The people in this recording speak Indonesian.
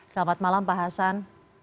selamat malam pak hasan